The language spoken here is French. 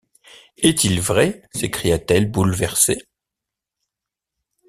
Est-il vrai? s’écria-t-elle bouleversée.